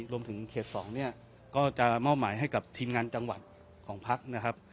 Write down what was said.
รวมถึงเขต๒เนี่ยก็จะมอบหมายให้กับทีมงานจังหวัดของพักนะครับ